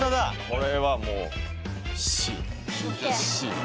これはもう。